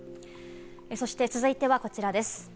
そして続いてはこちらです。